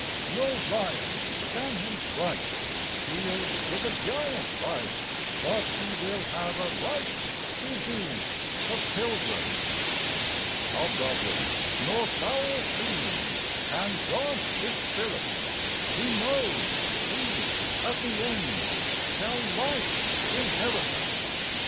No lion can him fright; He'll with a giant fight, But he will have a right To be a pilgrim. "Hobgoblin nor foul fiend Can daunt his spirit; He knows he at the end Shall life inherit.